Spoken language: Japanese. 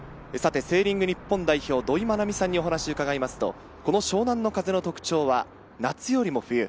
セーリング日本代表・土居愛実さんにお話を伺いますと、この湘南の風の特徴は夏よりも冬。